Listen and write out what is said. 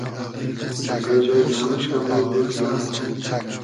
دیگۂ جای نئموشۂ مولگ و دیار مۉ